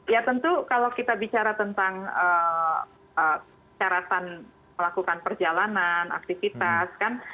ya tentu kalau kita bicara tentang caratan melakukan perjalanan aktivitas kan